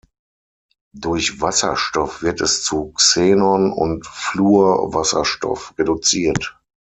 Durch Wasserstoff wird es zu Xenon und Fluorwasserstoff reduziert.